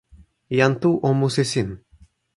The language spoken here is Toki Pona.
jan tu o musi sin.